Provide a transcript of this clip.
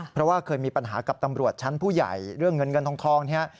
เพราะว่าเคยมีปัญหากับตำรวจชั้นผู้ใหญ่เรื่องเงินเงินทองเนี่ย